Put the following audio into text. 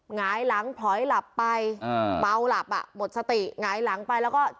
หงายหลังพลอยหลับไปอ่าเมาหลับอ่ะหมดสติหงายหลังไปแล้วก็